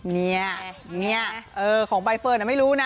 เนี่ยเนี่ยเออของใบเฟิร์นอะไม่รู้นะ